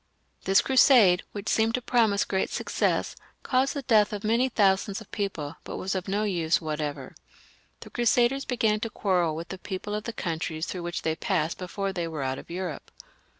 This Crusade, which seemed to promise great success, caused the death of many thousands of people, but was of no use whatever. The Crusaders began to quarrel with the people of the countries through which they passed before they were out of Europe.